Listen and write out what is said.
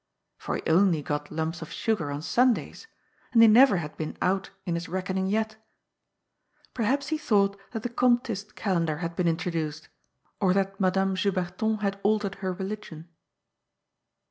For he only got lumps of sugar on Sundays, and he never had been out in his reckon ing yet Perhaps he thought that the Gomtist calendar had been introduced, or that Madame Juberton had altered her religion.